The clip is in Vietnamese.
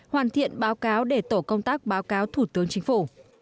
hoàn thiện báo cáo để tổ công tác báo cáo thủ tướng chính phủ